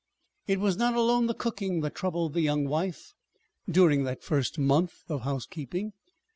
It was not alone the cooking that troubled the young wife during that first month of housekeeping.